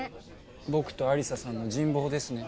僕と亜里沙さんの人望ですね。